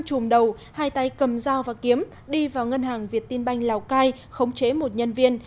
chùm đầu hai tay cầm dao và kiếm đi vào ngân hàng việt tin banh lào cai khống chế một nhân viên